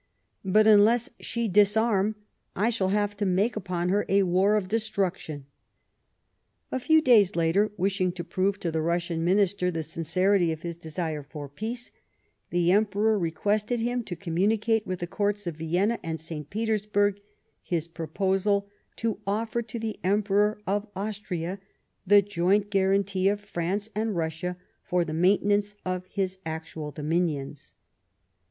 But, unless she disarm, I shall have to make upon her a war of destruction." A few days later, wishing to prove to the Russian ]\Iinister the sincerity of his desire for peace,, the Emperor requested him to communicate with the Courts of Vienna and St. Petersburg his proposal to offer to the Emperor of Austria the joint guarantee of France and Russia for the maintenance of his actual dominions.